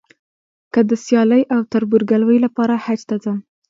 که د سیالۍ او تربورګلوۍ لپاره حج ته ځم.